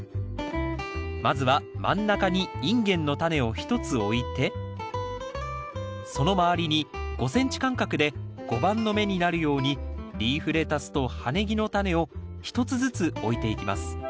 まずは真ん中にインゲンのタネを１つ置いてその周りに５ｃｍ間隔で碁盤の目になるようにリーフレタスと葉ネギのタネを１つずつ置いていきます